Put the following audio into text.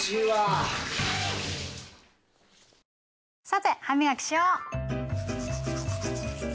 さて歯磨きしよう。